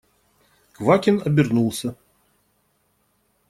Квакин обернулся.